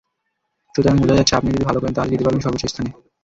সুতরাং বোঝাই যাচ্ছে, আপনিও যদি ভালো করেন, তাহলে যেতে পারবেন সর্বোচ্চ স্থানে।